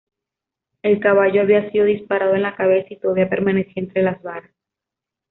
El caballo había sido disparado en la cabeza y todavía permanecía entre las varas.